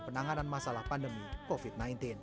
penanganan masalah pandemi covid sembilan belas